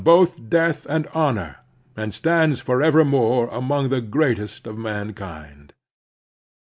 both death and honor, and stands forevermore I among the greatest of mankind.